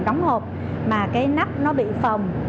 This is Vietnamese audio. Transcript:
đóng hộp mà cái nắp nó bị phồng